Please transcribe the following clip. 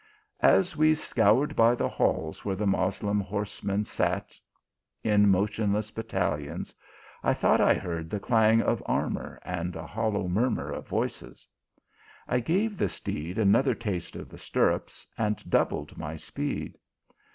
As we scoured by the halls where the Moslem horsemen sat in motionless battalions, I thought I heard the clang of armour, and a hollow murmur of voices. I gave the steed another taste of the stir rups, and doubled my speed.